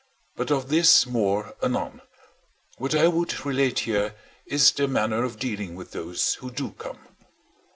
But of this more anon: what I would relate here is their manner of dealing with those who do come.